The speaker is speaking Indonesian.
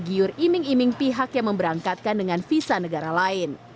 kota haji tergiur iming iming pihak yang berangkat dengan visa negara lain